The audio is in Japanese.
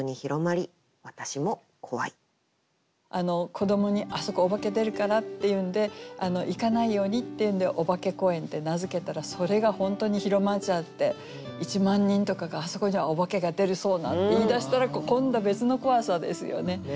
子どもに「あそこおばけ出るから」っていうんで行かないようにっていうんで「おばけ公園」って名付けたらそれが本当に広まっちゃって１万人とかが「あそこにはおばけが出るそうな」って言い出したら今度別の怖さですよね。